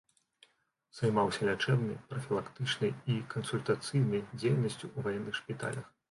Займаўся лячэбнай, прафілактычнай і кансультацыйнай дзейнасцю ў ваенных шпіталях.